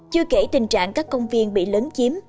chưa kể tình trạng các công viên bị lớn chiếm